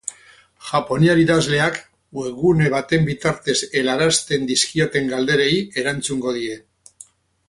Japoniar idazleak webgune baten bitartez helarazten dizkioten galderei erantzungo die.